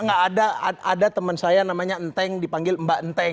nggak ada teman saya namanya enteng dipanggil mbak enteng